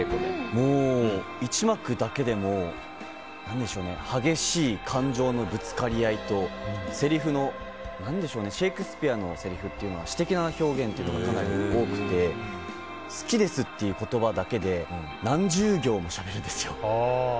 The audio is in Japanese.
１幕だけでも激しい感情のぶつかり合いとシェイクスピアのせりふって詩的な表現がかなり多くて好きですっていう言葉だけで何十行もしゃべるんですよ。